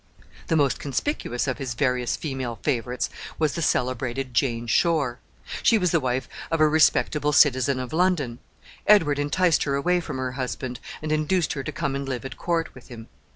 The most conspicuous of his various female favorites was the celebrated Jane Shore. She was the wife of a respectable citizen of London. Edward enticed her away from her husband, and induced her to come and live at court with him.